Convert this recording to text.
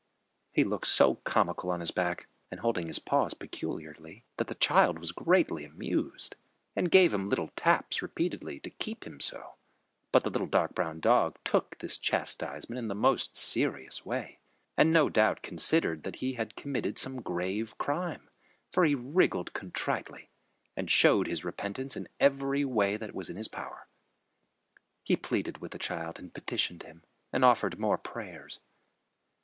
He looked so comical on his back, and holding his paws peculiarly, that the child was greatly amused and gave him little taps repeatedly, to keep him so. But the little dark brown dog took this chastisement in the most serious way and no doubt considered that he had committed some grave crime, for he wriggled contritely and showed his repentance in every way that was in his power. He pleaded with the child and petitioned him, and offered more prayers.